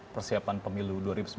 persiapan pemilu dua ribu sembilan belas